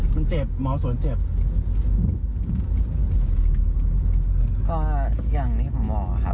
กดทำก็ใช้วิธีอย่างเนี่ยค่ะ